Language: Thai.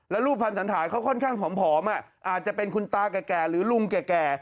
แล้วรูปภัณฑ์สันฐานเขาค่อนข้างผอมอาจจะเป็นคุณตาแก่หรือลุงแก่